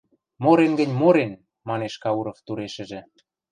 — Морен гӹнь, морен! — манеш Кауров турешӹжӹ.